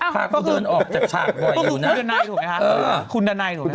ป้าขูเดินออกจากฉากด่วยอยู่นะคุณแดนโน้ยถูกไหมคะ